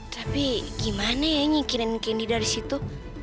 tapi gimana ya nyikirin kendi dari situ